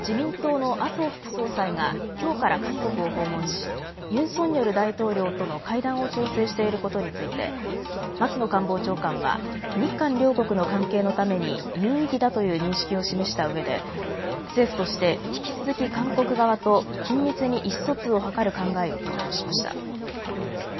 自民党の麻生副総裁がきょうから韓国を訪問しユン・ソンニョル大統領との会談を調整していることについて松野官房長官は日韓両国の関係のために有意義だという認識を示したうえで政府として引き続き韓国側と緊密に意思疎通を図る考えを強調しました。